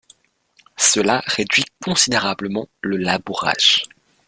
Cela réduit considérablement le labourage.